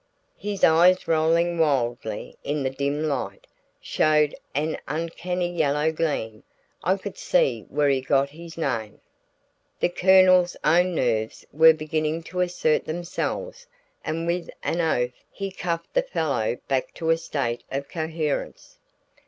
His eyes rolling wildly in the dim light, showed an uncanny yellow gleam. I could see where he got his name. The Colonel's own nerves were beginning to assert themselves and with an oath he cuffed the fellow back to a state of coherence.